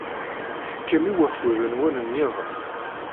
Tekkam i wakud-nwen n yiḍes.